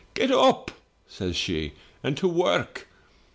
"*Get up,' says she, *and to work.